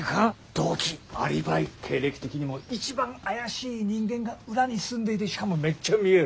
動機アリバイ経歴的にも一番怪しい人間が裏に住んでいてしかもめっちゃ見える。